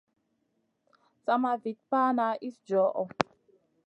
Sama Vit pana iss djoho.